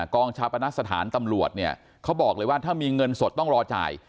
กองชาปณสถานตำรวจเนี่ยเขาบอกเลยว่าถ้ามีเงินสดต้องรอจ่าย